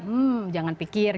hmm jangan pikir